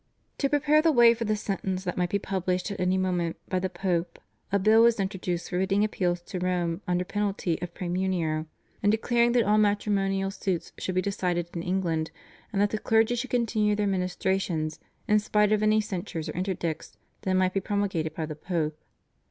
To prepare the way for the sentence that might be published at any moment by the Pope a bill was introduced forbidding appeals to Rome under penalty of Praemunire, and declaring that all matrimonial suits should be decided in England, and that the clergy should continue their ministrations in spite of any censures or interdicts that might be promulgated by the Pope.